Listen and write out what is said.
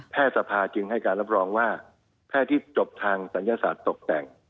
สภาจึงให้การรับรองว่าแพทย์ที่จบทางศัยศาสตร์ตกแต่ง